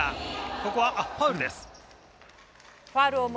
ここはファウルです。